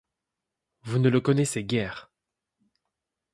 Vous ne le connaissez guère !